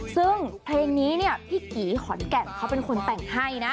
ซึ่งเพลงนี้เนี่ยพี่กีขอนแก่นเขาเป็นคนแต่งให้นะ